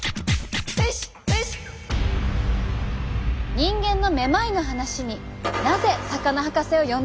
人間のめまいの話になぜ魚博士を呼んだのか？